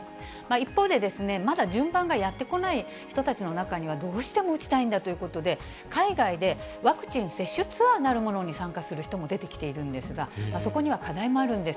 一方で、まだ順番がやって来ない人たちの中には、どうしても打ちたいんだということで、海外でワクチン接種ツアーなるものに参加する人も出てきているんですが、そこには課題もあるんです。